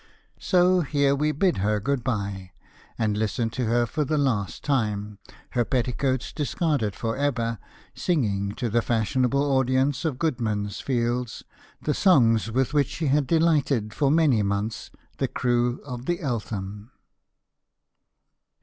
So here we bid her good bye, and listen to her for the last time her petticoats discarded for ever singing to the fashionable audience of Goodman's Fields the songs with which she had delighted for many months the crew of the 'Eltham.'